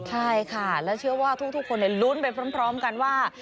ใช่ค่ะและเชื่อว่าทุกคนลุ้นไปพร้อมกันว่า